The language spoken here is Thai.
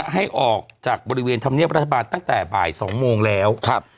ให้ออกจากบริเวณธรรมเนี้ยบรรทบาทตั้งแต่บ่าย๒โมงแล้ว